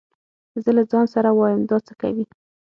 زه له ځان سره وايم دا څه کوي.